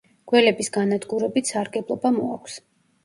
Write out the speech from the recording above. გველების განადგურებით სარგებლობა მოაქვს.